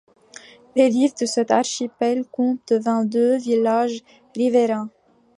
Les rives de cet archipel compte vingt-deux villages riverains.